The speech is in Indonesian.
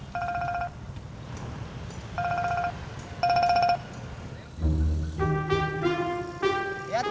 saya dari tadi berdiri di sini tuh